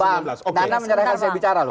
bang nana menyerahkan saya bicara loh